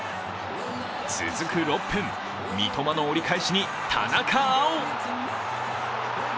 続く６分、三笘の折り返しに田中碧。